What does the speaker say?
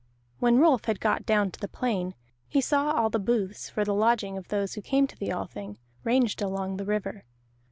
When Rolf had got down to the plain, he saw all the booths for the lodging of those who came to the Althing, ranged along the river.